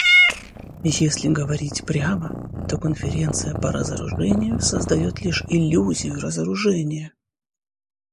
Если говорить прямо, то Конференция по разоружению создает лишь иллюзию разоружения.